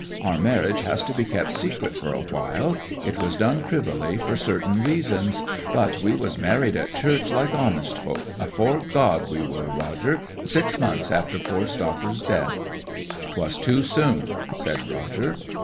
Our marriage has to be kept secret for a while it was done privily for certain reasons; but we was married at church like honest folk afore God we were, Roger, six months after poor Stocker's death.' ''Twas too soon,' said Roger.